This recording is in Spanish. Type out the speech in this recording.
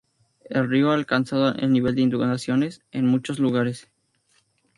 El río había alcanzado el nivel de inundaciones en muchos lugares.